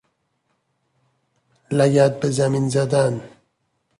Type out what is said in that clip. لگد بزمین زدن